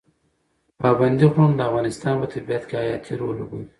پابندي غرونه د افغانستان په طبیعت کې حیاتي رول لوبوي.